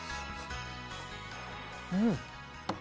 うん！